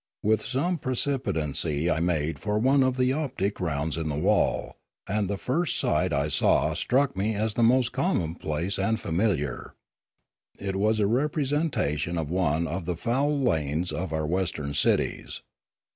With some precipitancy I made for one of the optic rounds in the wall, and the first sight I saw struck me as the most commonplace and familiar. It was a representation of one of the foul lanes of our Western cities.